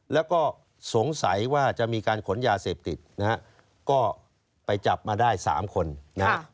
แล้วก็สงสัยว่าจะมีการขนยาเสพติดนะฮะก็ไปจับมาได้๓คนนะฮะ